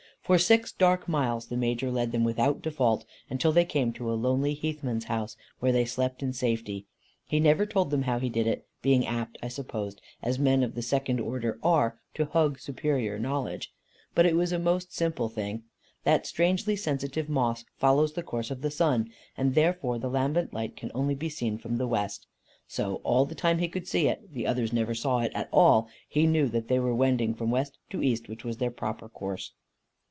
] For six dark miles the Major led them without default, until they came to a lonely heathman's house, where they slept in safety. He never told them how he did it; being apt, I suppose, as men of the second order are, to hug superior knowledge. But it was a most simple thing. That strangely sensitive moss follows the course of the sun, and therefore the lambent light can only be seen from the west. So all the time he could see it the others never saw it at all he knew that they were wending from west to east, which was their proper course.